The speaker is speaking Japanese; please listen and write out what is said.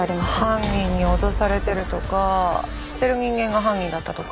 犯人に脅されてるとか知ってる人間が犯人だったとか。